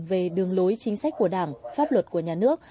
về đường lối chính sách của đảng pháp luật của nhà nước